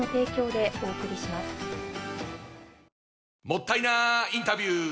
もったいなインタビュー！